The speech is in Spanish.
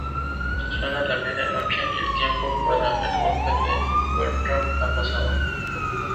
Suena la media noche, y el tiempo para el golpe de Bertram ha pasado.